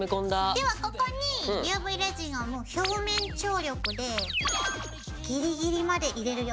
ではここにＵＶレジンを表面張力でギリギリまで入れるよ。